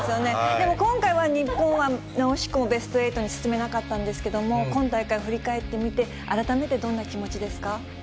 でも今回は、日本は惜しくもベスト８に進めなかったんですけれども、今大会振り返ってみて、改めてどんな気持ちですか？